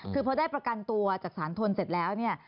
คือพอได้ประกันตัวจากศาลทนเสร็จแล้วเนี่ย